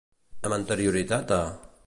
Amb anterioritat a.